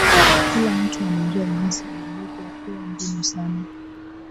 kila mtu anajua jinsi ilivyokuwa ngumu sana